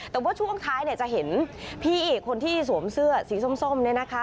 แต่ว่าช่วงท้ายเนี่ยจะเห็นพี่คนที่สวมเสื้อสีส้มเนี่ยนะคะ